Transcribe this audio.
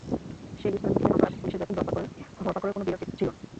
সেই বিশাল মিছিলে হামলা এবং পুলিশের ব্যাপক ধরপাকড়ের কোনো বিরাম ছিল না।